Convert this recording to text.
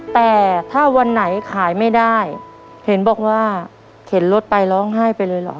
แต่ถ้าวันไหนขายไม่ได้เห็นบอกว่าเข็นรถไปร้องไห้ไปเลยเหรอ